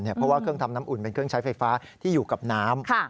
เพราะว่าเครื่องทำน้ำอุ่นเป็นเครื่องใช้ไฟฟ้าที่อยู่กับน้ำ